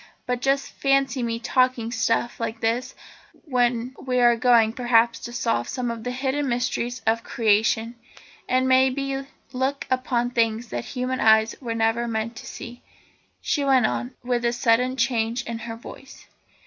But just fancy me talking stuff like this when we are going, perhaps, to solve some of the hidden mysteries of Creation, and, may be, look upon things that human eyes were never meant to see," she went on, with a sudden change in her voice.